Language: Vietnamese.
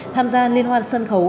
tham gia liên hoan sân khấu